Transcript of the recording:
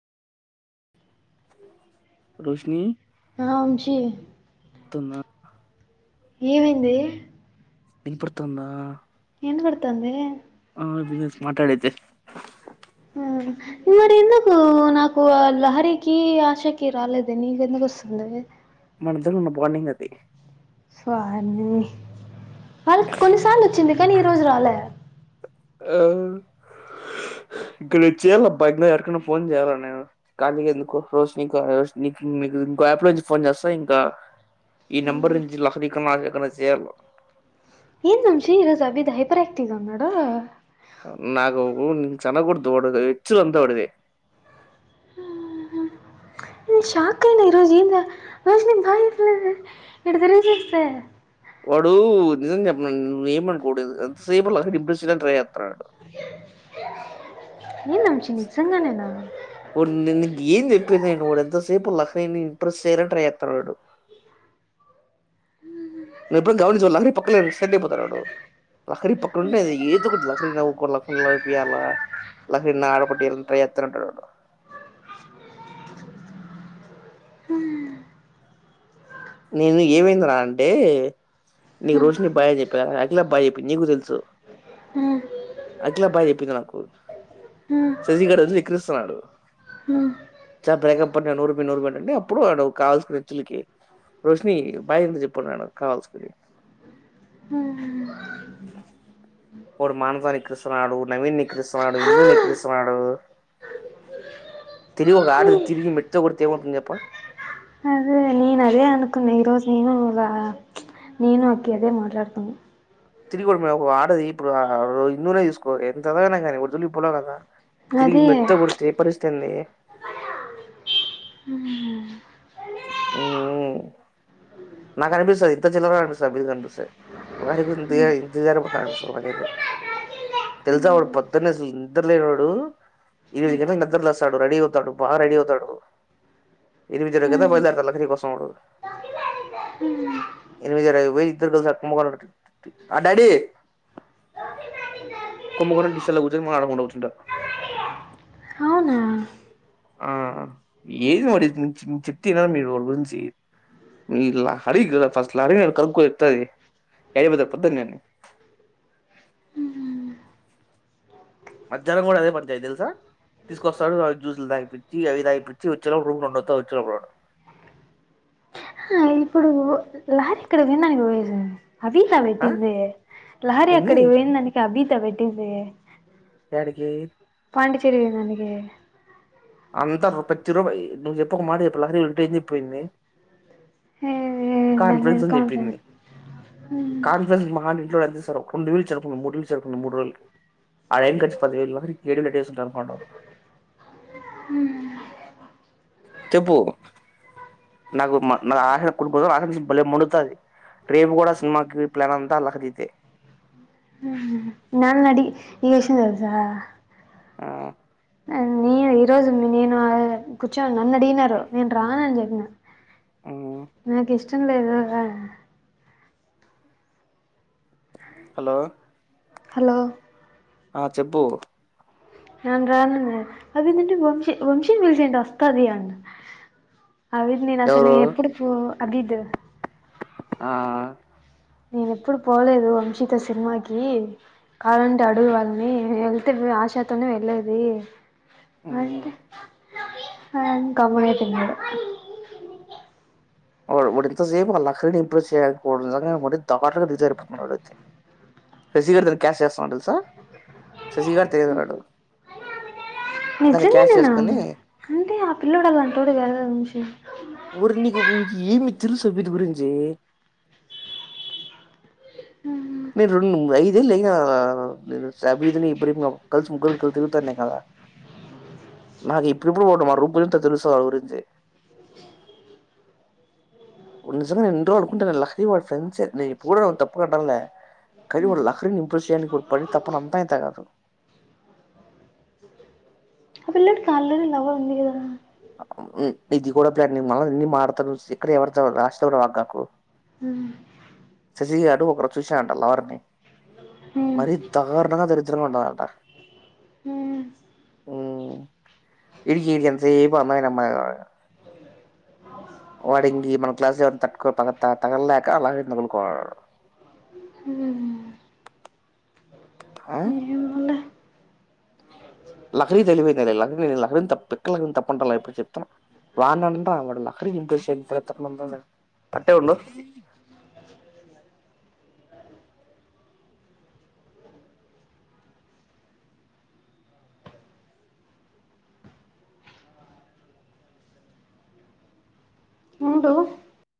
రోషిని ఆ వంశీ తుందా ఏమైందీ వినపడుతుందా ఇనపడతంది ఆ మాట్లాడైతే ఆ మరి ఎందుకు నాకు లహరికి ఆశకి రాలేదే నీకెందుకు వస్తుంది మనిద్దరికీ ఉన్న బాండింగ్ అది స్వామి వాలక్ కొన్నిసార్లు వచ్చింది కాని ఈ రోజు రాల ఆ ఇంకా నేను చెయాలబ్బా ఎరికన్నా ఫోన్ చేయ్యాలా నేను ఖాళీగా ఎందుకు రోజు ఇంకో యాప్ నుంచి ఫోన్ చేస్తా ఇంకా ఈ నెంబర్ నుంచి లహరి కన్నా మాధవి కన్నా చేయాలా ఏంది వంశి ఈరోజు అబిద్ హైపర్ ఆక్టివ్ లో ఉన్నాడు నాకు చ్ అనగుడదు ఎచ్చల్ అంత వాడిది నేన్ షాక్ అయిన ఈరోజు ఏందిరా ఇటు తిరిగి చూస్తే వాడు నిజం చెప్పన నువ్ ఏమడనుకోడదు ఎంతసేపు లహరిని ఇంప్రెస్స్ చేయడానికి ట్రై చేస్తున్నాడు డు ఏంది వంశీ నిజంగానేనా వాడ్ నిన్ నీకెంది చెప్పేది నేనూ వాడు ఎంతసేపు లహరి క్ ఇంప్రెస్ చేయడానికి ట్రై చేస్తున్నాడు వాడు గండిక్ పోతనాడు లహరీ పక్కన ఉంటేది ఏద ఒకటి లక్కరినవ్వుకోల లహరి వియ్యాల లకినాఆడ పొట్టిలని ట్రై ఎత్తరంటడు హ నేను ఏమైంది రా అంటే ఆ, నీక్ రోషిని బాయ్ చెప్పా అకిలక్ బాయ్ పిన్నీ కు తెలుసు ఆ, అఖిలా బాయ్ చెప్పింది నాకు శశీ గాడు ఐతే ఎక్కరిస్తున్నాడు హ్మ్ ఇసారి బ్రేకప్ అంటే నూరు కి నూరు పెట్టండి అప్పుడు వాడు కావల్సికిరిచ్చులికి రోషిని బాయేంద చెప్పు నేన్ కావాల్సి కి ఆ, వాడు మానసా నిక్రిస్తున్నాడు, నవీన్ నిక్రిస్తున్నాడు, ఆ. ఇందు నిక్రిస్తున్నాడు త తెలివికాదు ఆ, తిరిగి మెట్తో కొడితే ఏమౌతుంది చెప్పు. అదే నేను అదే అనుకున్నా ఈరోజు నేను అలా ప్చ్ నేను అఖి అదే మాట్లాడుతున్నాం తిరిగివడుమే ఒక ఆడది ఇప్పుడు ఆ ఇందూనే తీసుకో ఎంత చదివినా కానీ వర్జిలి పోలే కదా తిరిగి అదే మెట్తో కొడుతు ఏ పరిస్థితి ఏంది ఉమ్ నాకు కనిపిస్తుంది ఇంత చిల్లరగా కనిపిస్తుంది మీకు కనిపిస్తంది ఒకారి ఇపితే తెలుసా నాకైతే వాు పద్ద్దన్న ఇంటలేదు వాడు ఇది నద్దర్లసాడు రెడి అవుతాడు బా రెడీ అవుతాడు ఇదిమిజర కద బయలాారుల కోసం ఉ ఎమిధర వ ఇద్దరు కస కుంభకోణం ఆ డాడీ కుంభకోణం లా కూర్చొనిడకుండా కూచుంటారు అవునా ఆ ఏది మరి చెప్ మీరు గురించి ఇలా అడిగి అడిగి కనుకో ఫస్ట్ అయిపోతాది పొద్దునే మధ్యాహ్నం కూడా అదే పని చేదు తెలుసా తీసుకొస్తాడు అవి జ్యూసులు తాగిపించి అవి తాగిపించి వచ్చేప్పుడు రూడు రండు వస్తా వచ్చేప్పుడు ఆ, ఇప్పుడు లారీ ఇక్కడ విన్నాాలి పోయసి అబీతా ఆ? వెటింద లారీ ఏంది అక్కడ పోయిందానికి అబి తా పెట్టింది యాదికి ఆంటీకిషేర్ చెయ్యన్న అందుకే అంతా పతి రూపాయి నువ్వు చెప్పు ఒక మాట చెప్పు లహరి వింటే ఏంది విపేంది ఏ, ఏ, దాని కాన్ఫరెన్స్ మీద అని చెప్పింది కాన్ఫిడెన్స్ కాన్ఫరెన్స్ మహానింట్లుడ్డ్స్ తరొ ఉండేవిల చేరుకున్నాం ముడిల్ చేరుకున్నాం మూడు రోజుల ఆ రైన్ కోట్స్ పది వేయిలు లహరి కి యైట్ ఎడువేళ్లు డేస్ జంపండు చెప్పు నాకు మా నాక కులుగోర్ ఆకలికి బలే మండుతంది రేపు కూడా మాకు ప్లాన్ అంతా లహరిదే. ఊహుం నన్నీ అడిగి నీకో విషయం తెలుసా ఆ, నే ఈ రోజు నేను కూర్చో అని నన్ను అడిగినారు నేను రానని చెప్పిన ఉమ్, నాకిష్టం నాకిష్టం లేదు రా హలో హలో ఆ చెప్పుు నెన్ రానన్న అది వంశి వంశీనీ పిల్సండి వస్తది అవిద్ నేను అసలు ఎవరు ఎప్పుడు పో అభిదు ఆ నేన ఎప్పుడు పోలేదు వంశితో సినిమాకి కావాలంటే అడుగు వాళ్ళని వెళ్తే ఆశాతోనే వెళ్లేది అంటే ఆ గమున్న అయిపోయినాడు వాడ్ వాడు ఇంతసేపు వాళ్ల అక్కని ఇంప్రెస్ చేయకపోవడం నిజంగా వాడు [unintelligible] దాన్ని క్యాచ్ చేసన్నాడు తెలుసా? శశి గాడ్ తెలిదనడు నిజంగానే నా అంటె ఆ పిల్లోడు అలాంటోడు కాదు కదా వంశీ. ఊరి నీకు మీకు ఏమి తెలుసు అబిద్ గురించి మేం రెండు ఐదేళ్లు ఐనా ఆ నేను శాబిద్ నీ ఇబ్రహీం నీ కలిసి ముగ్గురం తిరుగుతన్యం కదా నాకు ఇప్పుడెప్పుడు [unintelligible] గురించి వాడు నిజంగానే [unintelligible] వాడు ఫ్రెండ్సే ఇప్పుడగూడ తప్పుగా అంటల్లే కానీ వాడు లహరి ని ఇంప్రెస్ చేయడానికి వాడు పడే తపన అంతా ఇంతా కాదు ఆ పిల్లోనికి ఆల్రెడీ లవర్ ఉంది కదా ఆ మ్ ఇది కూడా [unintelligible] హ్మ్ ఈ యాడు ఒకరు చూసరంట లావర ని ఉమ్ మరి దారుణంగా తీడ్తు తిరుగుదాం దా అంటా మ్ మ్ ఇడికి ఎంతసేపు నాయనమ్మ కాబ వాడికి మన క్లాస్ తట్టుకుంటాడా తాగ తాగలేక అలాగే వదులుకోడు మ్ ఆ లహరి తెలివైందే లే నేను లహరిది తప్పు అనట్లే చెప్తున్న వాడ్ని అంట వాడు లహరి నీ ఇంప్రెస్ చేయనికి వున్డు